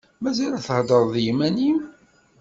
Mazal theddreḍ d yiman-im?